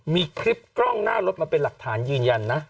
มีคลิปกล้องหน้ารถมาเป็นหลักฐานยืนยันนะ